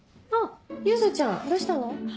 あっ柚ちゃんどうしたの？